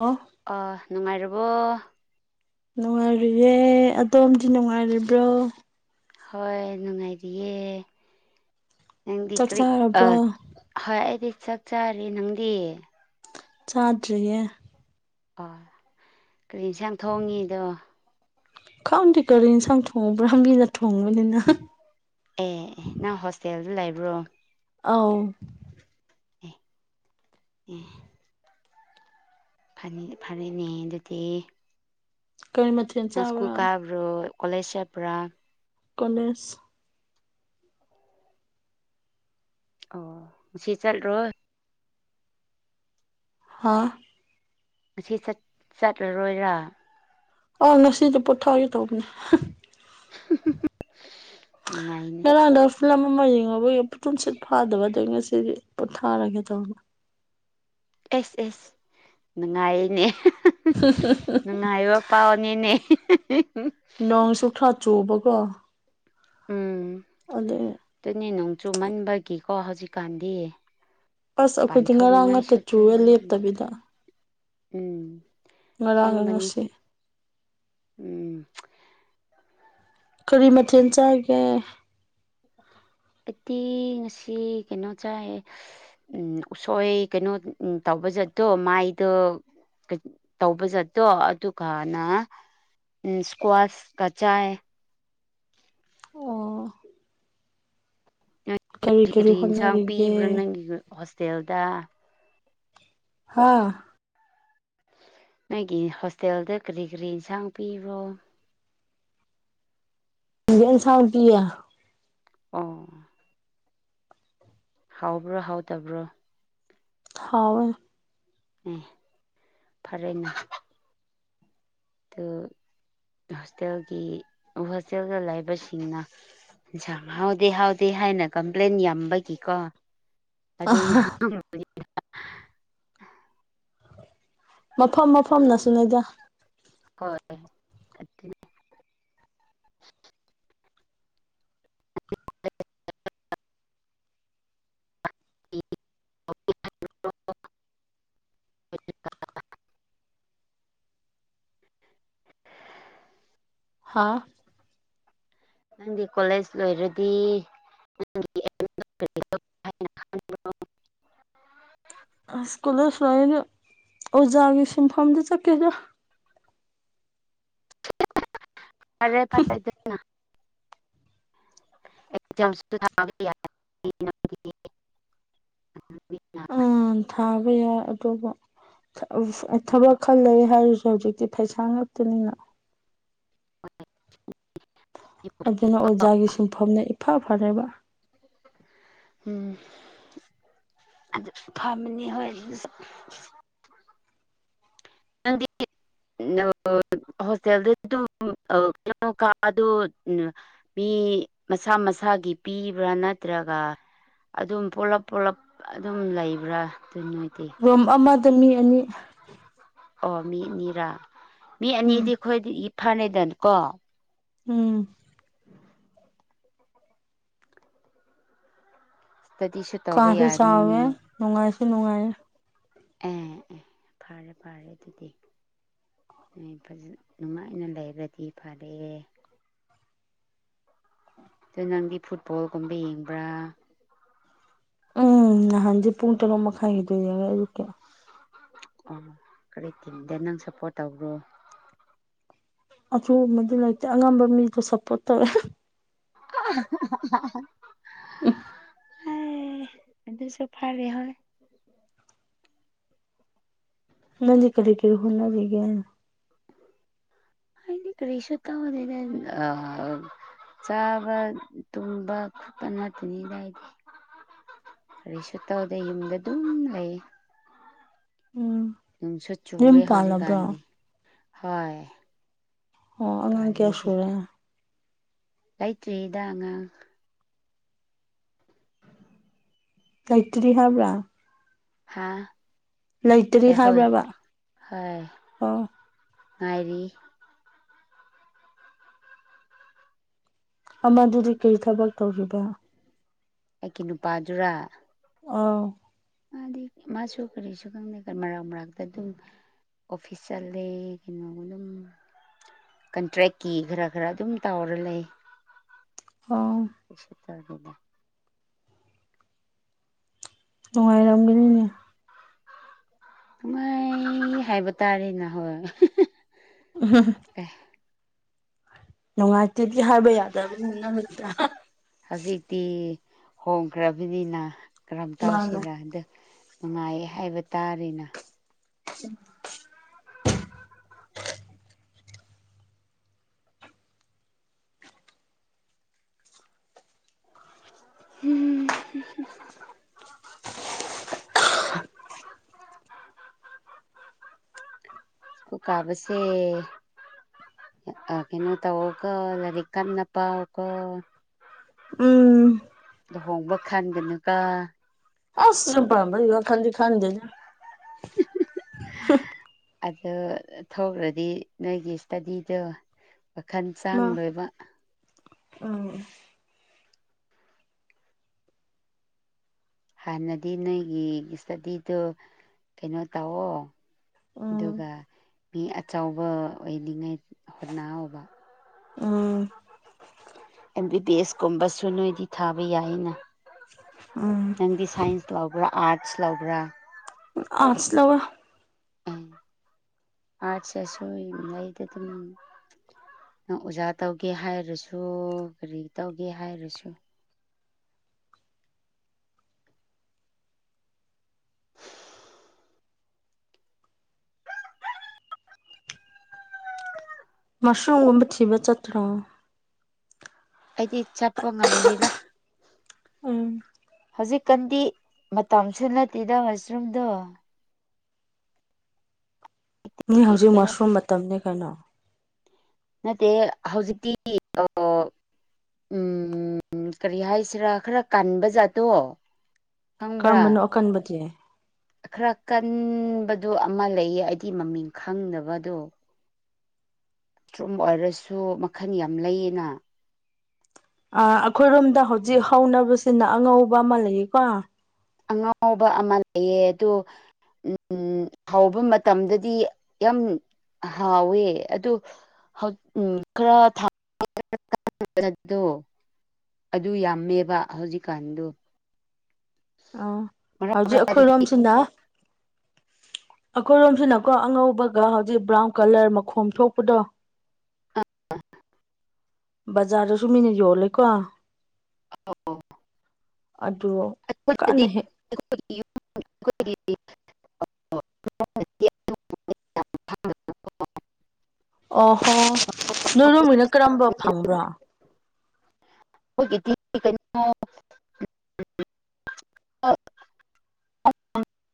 ꯎꯥ ꯑ ꯅꯨꯡꯉꯥꯏꯔꯕꯣ ꯅꯨꯡꯉꯥꯏꯔꯨꯌꯦꯦ ꯑꯗꯣꯝꯗꯤ ꯅꯨꯡꯉꯥꯏꯔꯤꯕ꯭ꯔꯣ ꯍꯣꯏ ꯅꯨꯡꯉꯥꯏꯔꯤꯌꯦ ꯅꯪꯗꯤ ꯆꯥꯛ ꯀꯔꯤ ꯑ ꯆꯥꯔꯕ꯭ꯔꯣ ꯍꯣꯏ ꯑꯩꯗꯤ ꯆꯥꯛ ꯆꯥꯔꯤ ꯅꯪꯗꯤ ꯆꯥꯗ꯭ꯔꯤꯌꯦ ꯑꯣ ꯀꯔꯤ ꯏꯟꯖꯥꯡ ꯊꯣꯡꯉꯤꯗꯣ ꯈꯪꯗꯦ ꯀꯔꯤ ꯏꯟꯖꯥꯡ ꯊꯣꯡꯕ꯭ꯔ ꯃꯤꯅ ꯊꯣꯡꯕꯅꯤꯅ ꯑꯦ ꯅꯪ ꯍꯣꯁꯇꯦꯜꯗ ꯂꯩꯕ꯭ꯔꯣ ꯑꯧ ꯎꯝ [unintelligible] ꯐꯔꯦꯅꯦ ꯑꯗꯨꯗꯤ ꯀꯩ ꯃꯊꯦꯜ ꯅꯪ ꯁ꯭ꯀꯨꯜ ꯆꯥꯕ꯭ꯔꯥ ꯀꯥꯕ꯭ꯔꯣ ꯀꯂꯦꯖ ꯆꯠꯄ꯭ꯔ ꯀꯣꯂꯦꯖ ꯑꯣ ꯉꯁꯤ ꯆꯠꯂꯣ ꯍꯥꯥ ꯉꯁꯤ ꯆꯠꯂꯔꯣꯏꯔꯥ ꯑ ꯉꯁꯤꯗꯤ ꯄꯣꯊꯥꯒꯦ ꯇꯧꯕꯅꯦ ꯅꯨꯡꯉꯥꯏꯅꯦ ꯉꯔꯥꯡ ꯇꯧꯕꯥ꯫ ꯐꯤꯂꯝ ꯑꯃ ꯌꯦꯡꯉꯕꯒꯤꯠ ꯄꯨꯟꯁꯤꯠ ꯐꯥꯗꯕꯗ ꯉꯁꯤꯗꯤ ꯄꯣꯊꯥꯔꯒꯦ ꯇꯧꯕ ꯑꯦꯁ ꯑꯦꯁ ꯅꯨꯡꯉꯥꯏꯅꯦ ꯍꯨ ꯍꯨ ꯅꯨꯡꯉꯥꯏꯕ ꯄꯥꯎ ꯑꯅꯤꯅꯦ ꯅꯣꯡꯁꯨ ꯈꯔ ꯆꯨꯕꯀꯣ ꯎꯝ ꯑꯗꯨꯗ ꯑꯗꯨꯅꯦ ꯅꯣꯡ ꯆꯨꯃꯟꯕꯒꯤꯀꯣ ꯍꯧꯖꯤꯛꯀꯥꯟꯗꯤ ꯑꯁ ꯑꯩꯈꯣꯏꯗꯤ ꯉꯔꯥꯡ ꯉꯥꯛꯇ ꯄꯥꯟꯊꯣꯛꯅꯤꯡꯉꯥꯏꯁꯨ ꯆꯨꯔ ꯇꯜꯂꯤ ꯌꯥꯝ ꯂꯦꯞꯇꯕꯤꯗ ꯇꯜꯂꯤ ꯎꯝ ꯉꯔꯥꯡꯒ ꯁꯦꯡꯕꯅꯤ ꯉꯁꯤ ꯎꯝ ꯀꯔꯤ ꯃꯊꯦꯜ ꯆꯥꯒꯦ ꯑꯩꯗꯤ ꯉꯁꯤ ꯀꯩꯅꯣ ꯆꯥꯏ ꯎꯝ ꯎꯁꯣꯏ ꯀꯩꯅꯣ ꯇꯧꯕꯖꯠꯇꯣ ꯃꯥꯏꯗꯣ ꯇꯧꯕ ꯆꯠꯇꯣ ꯑꯗꯨꯒꯅ ꯎ ꯏꯁꯀ꯭ꯋꯥꯁ ꯀ ꯆꯥꯏ ꯑꯣ ꯀꯔꯤ ꯀꯔꯤ ꯌꯦꯟꯁꯥꯡ ꯄꯤꯕ꯭ꯔꯥ ꯅꯪꯒꯤ ꯍꯣꯁꯇꯦꯜꯗ ꯍꯥ ꯅꯣꯏꯒꯤ ꯍꯣꯁꯇꯦꯜꯗ ꯀꯔꯤ ꯀꯔꯤ ꯏꯟꯁꯥꯡ ꯄꯤꯕꯣ ꯌꯦꯟ ꯁꯥꯎꯇꯤꯌꯥ ꯑꯣ ꯍꯥꯎꯕ꯭ꯔꯣ ꯍꯥꯎꯇꯕ꯭ꯔꯣ ꯍꯥꯎꯋꯦ ꯑꯦ ꯐꯔꯦꯅꯦ ꯑꯗꯨ ꯍꯣꯁꯇꯦꯜꯒꯤ ꯍꯣꯁꯇꯦꯜꯗ ꯂꯩꯥꯏꯕꯁꯤꯡꯅ ꯍꯥꯎꯗꯦ ꯍꯥꯎꯗꯦ ꯍꯥꯏꯅ ꯀꯝꯄ꯭ꯂꯦꯟ ꯌꯥꯝꯕꯒꯤꯀꯣ ꯑ ꯍ ꯑꯗꯨ ꯃꯐꯝ ꯃꯐꯝꯅꯁꯨ ꯅꯗ ꯍꯣꯏ ꯑꯗꯨ [unintelligible] ꯍꯥꯥ ꯅꯪꯗꯤ ꯀꯣꯂꯦꯖ ꯂꯣꯏꯔꯗꯤ ꯑ ꯁꯀꯨꯜꯂꯁꯨꯗ ꯑꯣꯖꯥꯒꯤ ꯁꯤꯟꯐꯝꯗ ꯆꯠꯀꯦꯗ ꯐꯔꯦ ꯇꯔꯥꯏꯗꯅ ꯑꯦꯛꯖꯥꯝꯁꯨ ꯊꯥꯕ ꯌꯥꯏ ꯎꯝ ꯊꯥꯕ ꯌꯥꯏ ꯑꯗꯨꯕꯨ ꯊꯕꯛ ꯈꯔ ꯂꯩ ꯍꯥꯏꯔꯤꯁꯨ ꯍꯧꯖꯤꯛꯇꯤ ꯐꯩꯁꯥ ꯉꯇꯅꯤꯅ ꯑꯗꯨꯅ ꯑꯣꯖꯥꯒꯤ ꯁꯨꯡꯐꯝꯅ ꯏꯐ ꯐꯔꯦꯕ ꯎꯝ ꯑꯗꯨ ꯐꯝꯃꯅꯤ ꯍꯣꯏ ꯑꯗꯨꯁꯨ ꯅꯪꯗꯤ ꯍꯣꯁꯇꯦꯜꯗ ꯑꯗꯨꯝ ꯀꯣ ꯀꯗ ꯎ ꯃꯤ ꯃꯁꯥ ꯃꯁꯥꯒꯤ ꯄꯤꯕ꯭ꯔꯥ ꯅꯠꯇ꯭ꯔꯒ ꯑꯗꯨꯝ ꯄꯨꯣꯂꯞ ꯄꯨꯣꯂꯞ ꯑꯗꯨꯝ ꯂꯩꯕ꯭ꯔꯥ ꯑꯗꯨ ꯅ ꯑꯣꯏꯗꯤ ꯔꯨꯝ ꯑꯃꯗ ꯃꯤ ꯑꯅꯤ ꯑꯣ ꯃꯤ ꯑꯅꯤꯔꯥ ꯃꯤ ꯑꯅꯤꯗꯤ ꯎꯝ ꯑꯩꯈꯣꯏꯗꯤ ꯐꯅꯗꯅꯀꯣ ꯎꯝ ꯀꯗꯤꯁꯠ ꯀꯥꯁꯨ ꯆꯥꯎꯋꯦ ꯅꯨꯡꯉꯥꯏꯁꯨ ꯅꯨꯡꯉꯥꯏꯌꯦ ꯑꯦ ꯑꯦ ꯐꯔꯦ ꯐꯔꯦ ꯑꯗꯨꯗꯤ ꯐꯖ ꯅꯨꯡꯉꯥꯏꯅ ꯂꯩꯔꯗꯤ ꯐꯔꯑꯦ ꯑꯗ ꯅꯪꯒꯤ ꯐꯨꯠꯕꯣꯜꯒꯨꯝꯕ ꯌꯦꯡꯕ꯭ꯔꯥ ꯎꯝ ꯅꯍꯥꯟꯁꯦ ꯄꯨꯡ ꯇꯔꯨꯛ ꯃꯈꯥꯏꯒꯤꯗꯣ ꯑꯗꯨ ꯌꯦꯏ ꯑꯌꯨꯛ ꯀꯤ ꯑꯣ ꯀꯔꯤ ꯇꯤꯝꯗꯦ ꯅꯪ ꯁꯞꯄꯣꯔꯠ ꯇꯧꯕ꯭ꯔꯣ ꯑꯊꯨꯕꯗꯤ ꯂꯩꯇꯦ ꯑꯉꯝꯕ ꯃꯤꯗꯣ ꯁꯞꯄꯣꯔꯠ ꯇꯧꯋꯦ ꯍꯥ ꯍꯥꯥ ꯑꯦ ꯑꯗꯨ ꯁꯨ ꯐꯔꯦ ꯍꯣꯌ ꯅꯡ ꯗ ꯀꯔꯤ ꯀꯔꯤ ꯍꯣꯠꯅꯔꯤꯒꯦ ꯑꯩꯗꯤ ꯀꯔꯤꯁꯨ ꯇꯧꯗꯦꯗ ꯆꯥꯕ ꯇꯨꯝꯕ ꯈꯣꯠꯄ ꯅꯠꯇꯅꯤ ꯀꯏꯗꯤ ꯀꯔꯤꯁꯨ ꯇꯧꯗꯦ ꯌꯨꯝꯗ ꯑꯗꯨꯝ ꯂꯩ ꯎꯝ ꯅꯨꯡꯁꯨꯠ ꯌꯨꯝ ꯆꯨꯑꯦ ꯄꯥꯜꯂꯕ꯭ꯔꯣ ꯍꯧꯖꯤꯛꯀꯥꯟꯗꯤ ꯍꯣꯏ ꯑꯣ ꯑꯉꯥꯡ ꯀꯌꯥ ꯄꯥꯜꯂꯦꯗꯤ ꯁꯨꯔꯦ ꯂꯩꯇ꯭ꯔꯤꯗ ꯑꯉꯥꯡ ꯀꯥꯏꯇ꯭ꯔꯤ ꯍꯥꯏꯕ꯭ꯔꯥ ꯍꯥꯥ ꯂꯩꯇ꯭ꯔꯤ ꯍꯥꯏꯕ꯭ꯔꯕ ꯑꯣ ꯉꯅꯥꯥꯏꯔꯤ ꯑꯃꯗꯨꯗꯤ ꯀꯔꯤ ꯊꯕꯛ ꯇꯧꯔꯤꯕ ꯑꯩꯒꯤ ꯅꯨꯄꯥꯗꯨꯔꯥ ꯑꯧ ꯃꯥꯗꯤ ꯃꯥꯁꯨ ꯀꯔꯤꯁꯨ ꯈꯪꯗ ꯃꯔꯥꯛ ꯃꯔꯛꯇ ꯑꯗꯨꯝ ꯑꯣꯐꯤꯁꯦꯜ ꯂꯩ ꯀꯅꯣꯒꯅꯝ ꯀꯟꯇ꯭ꯔꯦꯛꯀꯤ ꯈꯔ ꯈꯔ ꯑꯗꯨꯝ ꯇꯧꯔ ꯂꯩ ꯑꯣ ꯁ ꯇ ꯍꯥꯏꯅ ꯅꯨꯡꯉꯥꯏꯔꯝꯒꯅꯤꯅꯦ ꯥꯏ ꯍꯥꯏꯕꯇꯥꯔꯤ ꯅꯍꯣ [unintelligible] ꯑꯦ ꯅꯨꯡꯉꯥꯏꯇꯦꯗꯤ ꯍꯥꯏꯕ ꯌꯥꯗꯕꯅꯤꯅ ꯅꯃꯤꯠꯇ ꯍ ꯍꯧꯖꯤꯛꯇꯤ ꯍꯣꯡꯈ꯭ꯔꯕꯅꯤꯅ ꯀꯔꯝ ꯃꯥꯅꯦ ꯇꯧꯁꯤꯔ ꯗꯨ ꯅꯨꯡꯉꯥꯏꯌꯦ ꯍꯥꯏꯕ ꯇꯥꯔꯦꯅ [inaudible] ꯍꯨꯝ ꯍꯨꯍꯨꯍꯨ [unintelligible] ꯀꯨ ꯀꯥꯕꯁꯦ ꯀꯩꯅꯣ ꯇꯧꯕꯒ ꯂꯥꯏꯔꯦꯛ ꯀꯟꯅꯄꯥ ꯑꯣꯀ ꯎꯝ ꯂꯨꯍꯣꯡꯕ ꯈꯟꯒꯅꯨꯀ ꯑꯁ ꯌꯨꯝ ꯄꯟꯕꯒꯤ ꯋꯥ ꯈꯗꯤ ꯈꯥꯟꯗꯦꯅꯦ ꯑꯗꯣ ꯊꯧꯈ꯭ꯔꯗꯤ ꯅꯣꯏꯒꯤ ꯏꯁꯇꯗꯤꯗꯣ ꯋꯥꯈꯜ ꯆꯥꯡ ꯂꯣꯏꯕ ꯑꯝ ꯍꯥꯟꯅꯗꯤ ꯅꯣꯏꯒꯤ ꯁꯇꯗꯤꯗꯣ ꯀꯩꯅꯣ ꯇꯧꯑꯣ ꯎꯝ ꯑꯗꯨꯒ ꯃꯤ ꯑꯆꯧꯕ ꯑꯣꯏꯅꯤꯉꯩ ꯍꯣꯠꯅꯧꯑꯣꯕ ꯎꯝ ꯑꯦꯝ ꯕꯤ ꯕꯤ ꯑꯦꯁ ꯀꯨꯝꯕꯁꯨ ꯅꯣꯏꯗꯤ ꯊꯥꯕ ꯌꯥꯏꯅ ꯎꯝ ꯅꯪꯗꯤ ꯁꯥꯏꯟꯁ ꯂꯧꯕ꯭ꯔꯥ ꯑꯥꯔꯠꯁ ꯂꯧꯕ꯭ꯔꯥ ꯑꯥꯔꯠꯁ ꯂꯧꯑꯦ ꯑꯝ ꯑꯔꯁꯁꯨ ꯂꯩꯗ ꯗꯨꯝ ꯅꯪ ꯑꯣꯖꯥ ꯇꯧꯒꯦ ꯍꯥꯏꯔꯁꯨ ꯀꯔꯤ ꯇꯧꯒꯦ ꯍꯥꯏꯔꯁꯨ [inaudible] ꯃꯁꯔꯨꯝꯒꯨꯝꯕ ꯊꯤꯕ ꯆꯠꯇ꯭ꯔꯣ ꯑꯩꯗꯤ ꯆꯠꯄ ꯉꯝꯗꯦꯗ ꯎꯝ ꯍꯧꯖꯤꯛꯀꯥꯟꯗꯤ ꯃꯇꯝꯁꯨ ꯅꯠꯇꯦꯗ ꯃꯁꯔꯨꯝꯗꯣ ꯃꯤ ꯑꯩ ꯍꯧꯖꯤꯛ ꯀꯩꯅꯣ ꯃꯁꯔꯨꯝ ꯃꯇꯝꯅꯤ ꯀꯩꯅꯣ ꯅꯠꯇꯦ ꯍꯧꯖꯤꯛꯇꯤ ꯎꯝ ꯀꯔꯤ ꯍꯥꯏꯁꯤꯔ ꯈꯔ ꯀꯟꯕ ꯖꯥꯠꯇꯣ ꯀꯔꯝꯕꯅꯣ ꯈꯪꯕ꯭ꯔꯥ ꯑꯀꯟꯕꯗꯤ ꯈꯔ ꯀꯟꯕꯗꯨ ꯑꯃ ꯂꯩꯌꯦ ꯑꯩꯗꯤ ꯃꯃꯤꯡ ꯈꯪꯗꯕꯗꯣ ꯇ꯭ꯔꯨꯝ ꯑꯣꯏꯔꯁꯨ ꯃꯈꯟ ꯌꯥꯝ ꯂꯩꯌꯦꯅ ꯑ ꯑꯩꯈꯣꯏꯔꯣꯝꯗ ꯍꯧꯖꯤꯛ ꯍꯧꯅꯕꯁꯤꯅ ꯑꯉꯧꯕ ꯑꯃ ꯂꯩꯌꯦꯀꯣ ꯑꯉꯥꯎꯕ ꯑꯃ ꯂꯩꯌꯦ ꯑꯗꯨ ꯎꯝ ꯍꯥꯎꯕ ꯃꯇꯝꯗꯗꯤ ꯌꯥꯝ ꯍꯥꯎꯋꯦ ꯑꯗꯨ [unintelligible] ꯑꯗꯨ ꯌꯥꯝꯃꯦꯕ ꯍꯧꯖꯤꯛꯀꯥꯟꯗꯣ ꯑ ꯃꯔꯛ ꯍꯧꯖꯤꯛ ꯃꯔꯛꯇꯗꯤ ꯑꯈꯣꯏꯔꯣꯝꯁꯤꯅ ꯑꯩꯈꯣꯏꯔꯣꯝꯁꯤꯅꯀꯣ ꯑꯉꯧꯕꯒ ꯍꯧꯖꯤꯛ ꯕ꯭ꯔꯥꯎꯟ ꯀꯂꯔ ꯃꯈꯣꯝ ꯊꯣꯛꯄꯗꯣ ꯕꯖꯥꯔꯗꯁꯨ ꯃꯤꯅ ꯌꯣꯜꯂꯦꯀꯣ ꯑꯧ ꯑꯗꯨ ꯀꯟꯅ ꯍꯦꯛ [unintelligible] [unintelligible] ꯑꯣꯍꯣ ꯅꯣꯏꯗꯣꯝꯒꯤꯅ ꯀꯔꯝꯕ ꯐꯪꯕ꯭ꯔꯥ ꯑꯩꯈꯣꯏꯒꯤꯗꯤ ꯀꯩꯅꯣ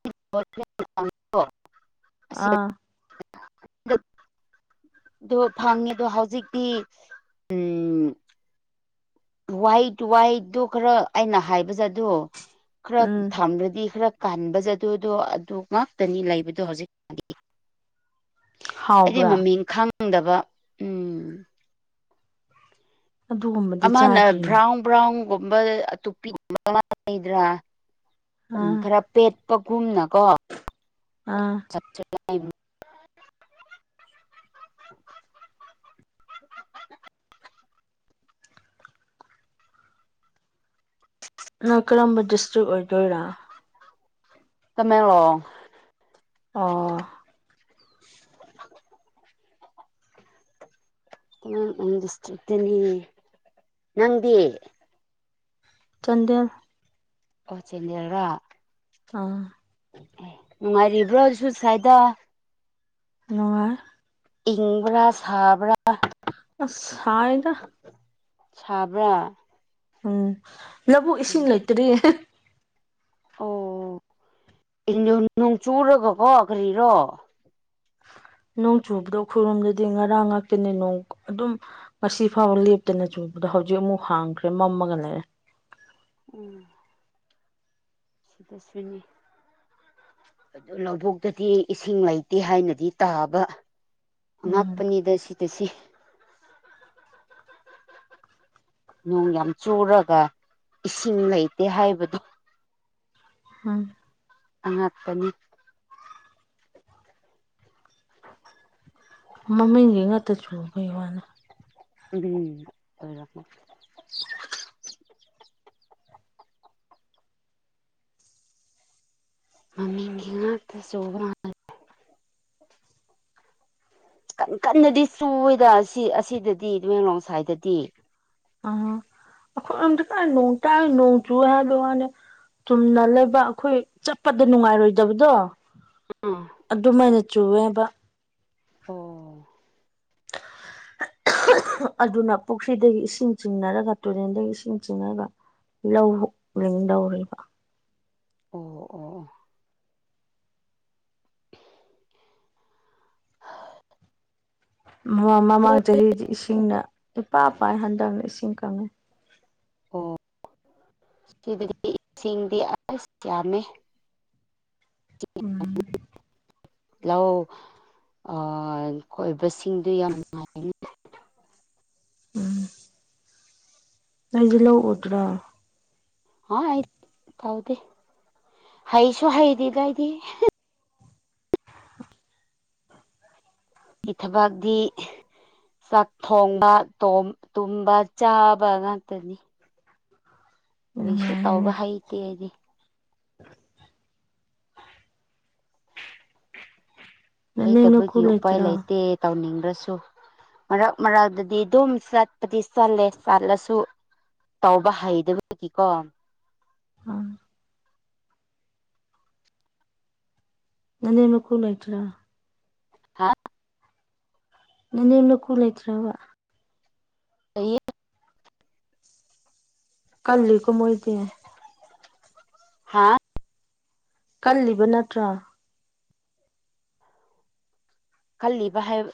[unintelligible] ꯑꯁꯤ ꯑꯥ [unintelligible] [inaudible] ꯑꯗꯣ ꯐꯪꯉꯦ ꯑꯗꯣ ꯍꯧꯖꯤꯛꯇꯤ ꯎꯝ ꯋꯥꯍꯩ ꯋꯥꯍꯩꯇꯣ ꯈꯔ ꯑꯩꯅ ꯍꯥꯏꯕꯁꯦꯗꯣ ꯈꯔ ꯎꯝ ꯊꯝꯂꯗꯤ ꯈꯔ ꯀꯟꯖ ꯑꯗꯨꯗꯣ ꯑꯗꯨ ꯉꯥꯛꯇꯅꯤ ꯂꯩꯕꯗꯣ ꯍꯧꯖꯤꯛ ꯑꯩꯗꯤ ꯍꯥꯎꯕ꯭ꯔꯥ ꯃꯃꯤꯡ ꯈꯪꯗꯕ ꯎꯝ ꯑꯗꯨꯒꯨꯝꯕꯗꯤ ꯑꯃꯅ ꯆꯥꯗ꯭ꯔꯤꯅꯦ ꯕ꯭ꯔꯥꯎꯟ ꯕ꯭ꯔꯥꯎꯟꯒꯨꯝꯕ ꯑꯇꯣꯞꯄꯤꯒꯨꯝꯕ ꯂꯩꯗ꯭ꯔꯥ ꯎꯝ ꯑꯥ ꯈꯔ ꯄꯦꯠꯄꯒꯨꯝꯅꯀꯣ ꯑꯥ [unintelligible] ꯅ ꯀꯔꯝꯕ ꯗꯤꯁꯇ꯭ꯔꯤꯛ ꯑꯣꯏꯗꯣꯏꯔ ꯇꯃꯦꯔꯣꯡ ꯑꯥ [unintelligible] ꯅꯪꯗꯤ ꯆꯥꯟꯗꯦꯜ ꯑꯣ ꯆꯤꯅꯥꯔꯔ ꯑꯥ ꯅꯨꯡꯉꯥꯏꯔꯤꯕ꯭ꯔꯥꯁꯨ ꯁꯥꯏꯗ ꯅꯨꯉꯥꯏ ꯏꯪꯕ꯭ꯔ ꯥꯁꯥꯕ꯭ꯔꯥ ꯑꯁ ꯁꯥꯏꯗ ꯁꯕ꯭ꯔꯥ ꯎꯝ ꯂꯧꯕꯨꯛ ꯏꯁꯤꯡ ꯂꯩꯇ꯭ꯔꯤ ꯑꯣ ꯅꯣꯡꯆꯨꯔꯒꯀꯣ ꯀꯔꯤꯔꯣ ꯅꯣꯡ ꯆꯨꯕ꯭ꯔꯣ ꯈꯨꯈꯔꯣꯝꯗꯗꯤ ꯉꯔꯥꯡ ꯉꯥꯛꯇꯅꯤ ꯅꯣꯡ ꯑꯗꯨꯝ ꯉꯁꯤ ꯐꯥꯎꯕ ꯂꯦꯞꯇꯅ ꯆꯨꯕꯗꯣ ꯍꯧꯖꯤꯛ ꯑꯃꯨꯛ ꯍꯥꯡꯈ꯭ꯔꯦ ꯃꯝꯃꯒ ꯂꯩꯔꯦ ꯎꯝ ꯁꯤꯗꯁꯨꯅꯤ [unintelligible] ꯑꯗꯨ ꯂꯧꯕꯨꯛꯇꯗꯤ ꯏꯁꯤꯡ ꯂꯩꯇꯦ ꯍꯥꯢꯅꯗꯤ ꯇꯥꯕ ꯎꯝ ꯑꯉꯥꯛꯄꯅꯤꯗ ꯁꯤꯗ ꯁꯤ ꯅꯣꯡ ꯌꯥꯝ ꯆꯨꯔꯒ ꯏꯁꯤꯡ ꯂꯩꯇꯦ ꯍꯥꯢꯕꯗꯨ ꯎꯝ ꯑꯉꯛꯄꯅꯤ ꯃꯃꯤꯡꯒꯤ ꯉꯥꯛꯇ ꯆꯨꯕꯩ ꯋꯥꯅꯤ ꯚ ꯑꯣꯏꯔꯀ [unintelligible] ꯃꯃꯤꯡꯒꯤ ꯉꯥꯛꯇꯥ ꯆꯨꯕ ꯃꯥꯜ ꯀꯟ ꯀꯟꯅꯗꯤ ꯆꯨꯋꯦꯗ ꯑꯁꯤ ꯑꯁꯤꯗꯗꯤ ꯇꯃꯦꯡꯂꯣꯡ ꯁꯥꯢꯗꯗꯤ ꯑ ꯑꯈꯣꯢꯗꯤ ꯐꯦꯏ ꯅꯣꯡ ꯇꯥꯢ ꯅꯣꯡ ꯆꯨꯢ ꯍꯥꯢꯕꯩ ꯋꯥꯅꯦ ꯆꯨꯝꯅ ꯂꯩꯕ ꯑꯩꯈꯣꯏ ꯆꯠꯄꯗ ꯅꯨꯡꯉꯥꯢꯔꯣꯢꯗꯕꯗꯣ ꯑꯥ [unintelligible] ꯑꯗꯨꯃꯥꯢꯅ ꯆꯨꯋꯦꯕ ꯑꯣ ꯑꯗꯨꯅ ꯄꯨꯈ꯭ꯔꯤꯗꯒꯤ ꯏꯁꯤꯡ ꯆꯤꯡꯅꯔꯒ ꯇꯨꯔꯦꯟꯗꯒꯤ ꯏꯁꯤꯡ ꯆꯤꯡꯉꯒ ꯂꯧ ꯂꯣꯛ ꯂꯩꯅꯧꯔꯦꯕ ꯑꯣ ꯑꯣ ꯑꯣ ꯃꯃꯥꯡ ꯑꯣ ꯆꯍꯤꯗꯤ ꯏꯁꯤꯡꯅ ꯏꯄꯥ ꯄꯥꯢ ꯍꯟꯗꯛꯅ ꯏꯁꯤꯡ ꯀꯪꯉꯦ ꯑꯣ ꯁꯤꯗꯗꯤ ꯏꯁꯤꯡꯗꯤ ꯑꯁ ꯌꯥꯝꯃꯦ ꯎꯝ ꯂꯧ ꯑ ꯀꯣꯢꯕꯁꯤꯡꯗꯨ ꯌꯥꯝ ꯅꯨꯡꯉꯥꯢ ꯎꯝ ꯅꯣꯢꯗꯤ ꯂꯧ ꯎꯗ꯭ꯔꯣ ꯍꯥꯢ ꯇꯥꯎꯗꯦ ꯍꯩꯁꯨ ꯍꯩꯗꯦꯗ ꯑꯩꯗꯤ ꯒꯤ ꯊꯕꯥꯛꯗꯤꯤ ꯆꯥꯛ ꯊꯣꯡꯕ ꯇꯨꯝꯕ ꯆꯥꯕ ꯉꯥꯛꯇꯅꯤ ꯀꯔꯤꯁꯨ ꯇꯧꯕ ꯅꯨꯡꯉꯥꯏꯔꯦꯅꯦ ꯍꯩꯇꯦ ꯍꯥꯏꯗꯤ [inaudible] ꯅꯅꯦꯝ ꯅꯀꯨ ꯍꯩꯇꯕꯒꯤ ꯎꯄꯥꯏ ꯂꯩꯇ꯭ꯔꯣ ꯂꯩꯇꯦ ꯇꯧꯅꯤꯡꯗ꯭ꯔꯁꯨ ꯃꯔꯛ ꯃꯔꯛꯗꯗꯤ ꯑꯗꯨꯝ ꯆꯠꯄꯗꯤ ꯆꯠꯂꯦ ꯆꯠꯂꯁꯨ ꯇꯧꯕ ꯍꯩꯗꯕꯒꯤꯀꯣ ꯎꯝ ꯅꯅꯦꯝ ꯅꯀꯨ ꯂꯩꯇ꯭ꯔꯣ ꯍꯥ ꯅꯅꯦꯝ ꯅꯀꯨ ꯂꯩꯇ꯭ꯔꯕ ꯇ [unintelligible] ꯀꯜꯂꯤꯀꯣ ꯃꯣꯢꯗꯤ ꯍꯥꯥ ꯀꯜꯂꯤꯕ ꯅꯠꯇ꯭ꯔꯥ ꯈꯜꯂꯤꯕ ꯍꯥꯢꯕ